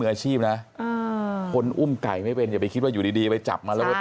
มืออาชีพนะอ่าคนอุ้มไก่ไม่เป็นอย่าไปคิดว่าอยู่ดีไปจับมา